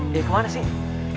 dia kemana sih